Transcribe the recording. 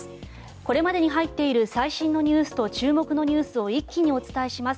これまでに入っている最新ニュースと注目ニュースを一気にお伝えします。